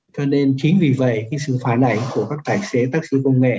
cho nên chính vì vậy cái sự phá nảy của các tài xế tài xế công nghệ